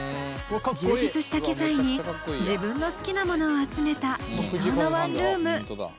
充実した機材に自分の好きなものを集めた理想のワンルーム。